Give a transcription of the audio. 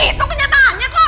itu kenyataannya kok